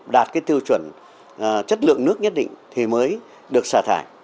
đạt cái tiêu chuẩn chất lượng nước nhất định thì mới được xả thải